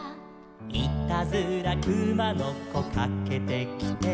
「いたずらくまのこかけてきて」